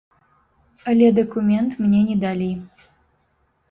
Але дакумент мне не далі.